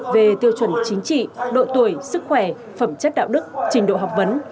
về tiêu chuẩn chính trị độ tuổi sức khỏe phẩm chất đạo đức trình độ học vấn